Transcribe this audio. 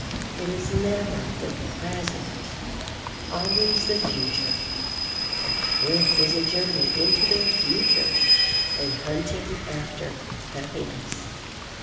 It is never the present, always the future. A trip is a journey into the future, a hunting after happiness.